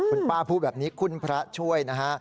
คุณป้าพูดแบบนี้คุณพระช่วยนะฮะ